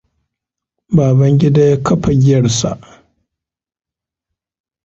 Babangida ya kafa giyarsa.